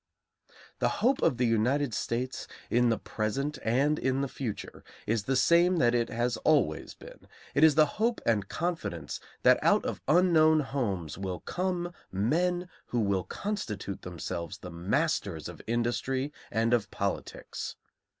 The hope of the United States in the present and in the future is the same that it has always been: it is the hope and confidence that out of unknown homes will come men who will constitute themselves the masters of industry and of politics.